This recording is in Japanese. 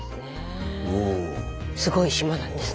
すごい島なんですね。